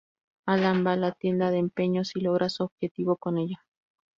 Alan va a la tienda de empeños y logra su objetivo con ella.